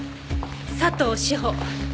佐藤志穂。